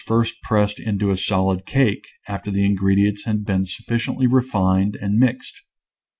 first pressed into a solid cake, after the in gredients had been sufficiently refined and mixed.